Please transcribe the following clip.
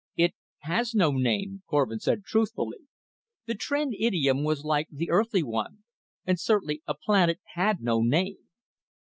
"It has no name," Korvin said truthfully. The Tr'en idiom was like the Earthly one; and certainly a planet had no name.